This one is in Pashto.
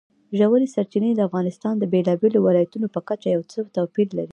ژورې سرچینې د افغانستان د بېلابېلو ولایاتو په کچه یو څه توپیر لري.